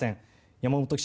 山本記者